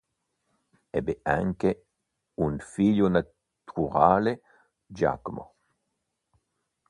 Ebbe anche un figlio naturale, Giacomo.